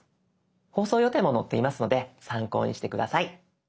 放送予定も載っていますので参考にして下さい。